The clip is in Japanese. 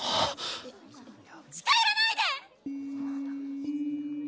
近寄らないでっ！